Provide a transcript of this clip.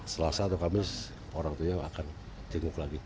selasa atau kamis orang tua akan jenguk lagi